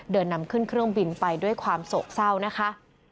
เดินนำขึ้นเครื่องบินไปด้วยความโศกเศร้านะคะ